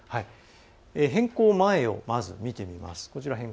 変更前を見てみます。